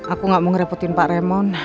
aku gak mau ngerepotin pak remon